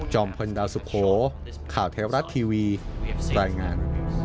พลดาวสุโขข่าวเทวรัฐทีวีรายงาน